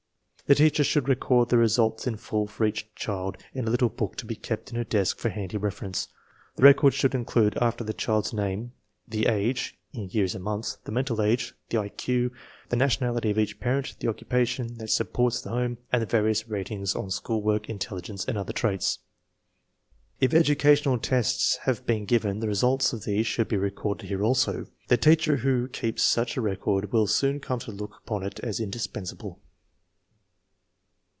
The teacher should record the results in full for each child in a little book to be kept in her desk for handy reference. The record should include, after the child's name, the age (in years and months), the mental age, the I Q, the nationality of each parent, the occupation that supports the home, and the various ratings on school work, intelligence, and other traits. If educa 306 INTELLIGENCE OP SCHOOL CHILDREN tional tests have been given, the results of these should be recorded here also. The teacher who keeps such a record will soon come to look upon it as indispensable.